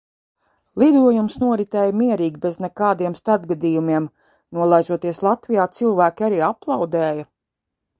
Lidojums noritēja mierīgi, bez nekādiem starpgadījumiem. Nolaižoties Latvijā, cilvēki arī aplaudēja.